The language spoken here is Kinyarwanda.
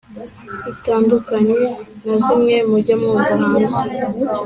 itandukanye nazimwe mujya mwumva hanze